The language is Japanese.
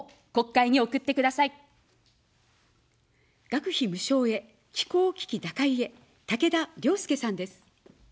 学費無償へ、気候危機打開へ、たけだ良介さんです。